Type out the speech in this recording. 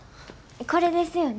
これですよね？